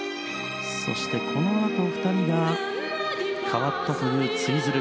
そしてこのあと２人が変わったというツイズル。